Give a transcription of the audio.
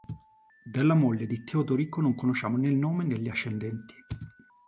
Della moglie di Teodorico non conosciamo né il nome né gli ascendenti.